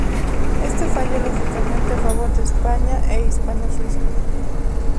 Éste falló lógicamente a favor de España e Hispano-Suiza.